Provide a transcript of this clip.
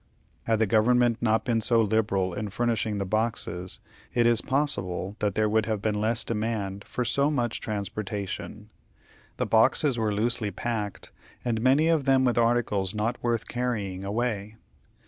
Had the government not been so liberal in furnishing the boxes, it is possible that there would have been less demand for so much transportation. The boxes were loosely packed, and many of them with articles not worth carrying away.